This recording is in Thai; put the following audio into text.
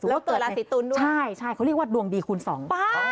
แล้วเกิดราศีตุลด้วยใช่ใช่เขาเรียกว่าดวงดีคูณสอง